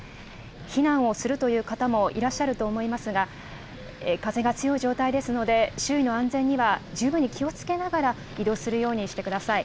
避難をするという方もいらっしゃると思いますが、風が強い状態ですので、周囲の安全には十分に気をつけながら移動するようにしてください。